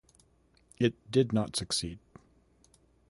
It did not succeed.